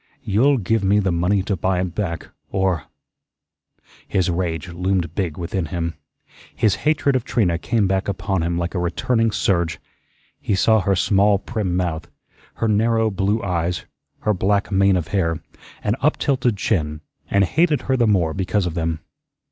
You'll give me the money to buy it back, or " His rage loomed big within him. His hatred of Trina came back upon him like a returning surge. He saw her small, prim mouth, her narrow blue eyes, her black mane of hair, and up tilted chin, and hated her the more because of them.